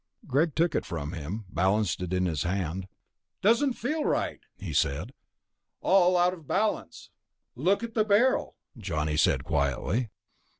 Greg took it from him, balanced it in his hand. "Doesn't feel right," he said. "All out of balance." "Look at the barrel," Johnny said quietly.